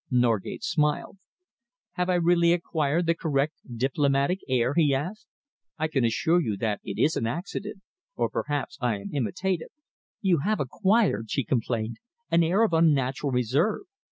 Norgate smiled. "Have I really acquired the correct diplomatic air?" he asked. "I can assure you that it is an accident or perhaps I am imitative." "You have acquired," she complained, "an air of unnatural reserve.